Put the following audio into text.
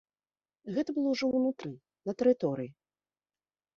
Гэта было ўжо ўнутры, на тэрыторыі.